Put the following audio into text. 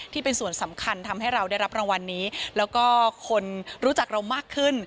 ที่เป็นส่วนสำคัญทำให้เราได้รับรางวัลนี้แล้วก็คนรู้จักเรามากขึ้น